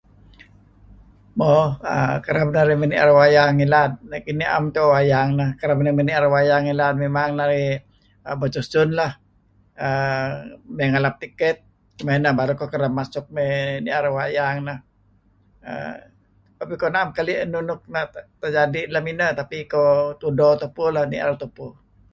Mo. Aaa... kereb narih mey ni'er wayang ngilad. Nekinih na'em neto' wayang ineh, Kereb narih mey ni'er wayang ngilad mimang narih err... bersusun lah. Err... mey galap tiket. Mey ineh baruh iko kereb masuk mey ni'er wayang ineh. Err... tu'uh peh iko na'em keli' enun nuk na' terjadi' lem ineh tetapi iko tudo tupu lah. Ni'er tupu.